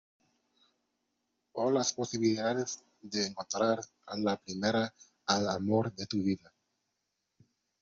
o las posibilidades de encontrar a la primera al amor de tu vida.